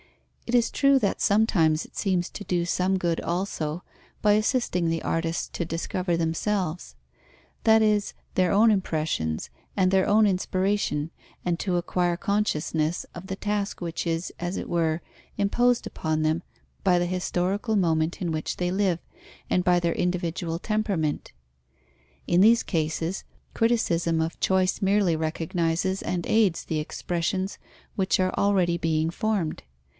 It is true that sometimes it seems to do some good also, by assisting the artists to discover themselves, that is, their own impressions and their own inspiration, and to acquire consciousness of the task which is, as it were, imposed upon them by the historical moment in which they live, and by their individual temperament. In these cases, criticism of choice merely recognizes and aids the expressions which are already being formed.